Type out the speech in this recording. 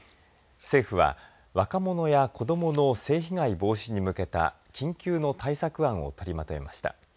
政府は若者や子どもの性被害防止に向けた緊急の対策案を取りまとめました。